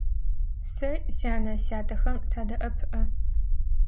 Сэ сянэ-сятэхэм садэӀэпыӀэ.